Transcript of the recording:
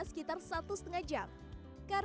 sekitar satu setengah jam